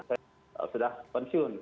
saya sudah pensiun